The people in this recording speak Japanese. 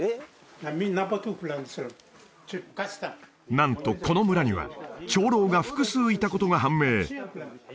なんとこの村には長老が複数いたことが判明